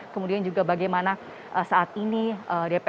kemudian juga bagaimana saat ini dpr juga masih fokus untuk mengerjakan sejumlah ruu